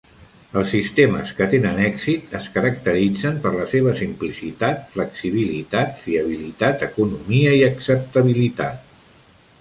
Els sistemes que tenen èxit es caracteritzen per la seva simplicitat, flexibilitat, fiabilitat, economia i acceptabilitat.